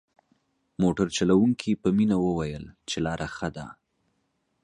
موټر چلوونکي په مينه وويل چې لاره ښه ده.